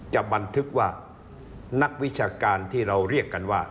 บันทึกว่านักวิชาการที่เราเรียกกันว่า